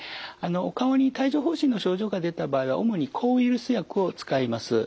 お顔に帯状ほう疹の症状が出た場合は主に抗ウイルス薬を使います。